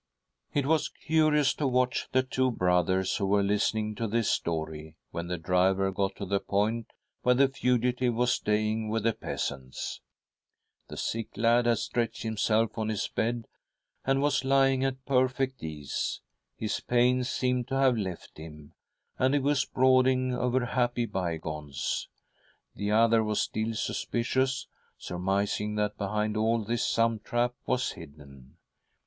It was curious to watch the two brothers who were listening to this story, when the driver got to the point where the fugitive was staying with the peasants. The sick lad had stretched himself on his bed, and was lying at perfect ease. His IB 4 ■■•.'■■>.'■^ THE STRUGGLE OF A SOUL 157 ■ pains seemed to have left him, and he was brooding over happy bygones. The other was still suspicious, surmising that behind all this some trap was hidden.